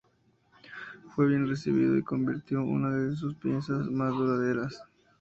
Fue bien recibido y se convirtió en una de sus piezas más duraderas.